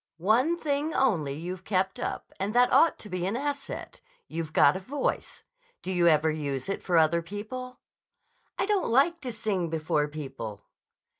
One thing only you've kept up, and that ought to be an asset. You've got a voice. Do you ever use it for other people?" "I don't like to sing before people."